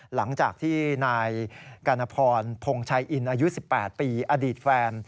หลังจากที่นายกรณพรพงชัยอินอายุ๑๘ปีอดีตแฟน